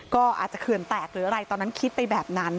ก็อาจจะเขื่อนแตกหรืออะไรตอนนั้นคิดไปแบบนั้น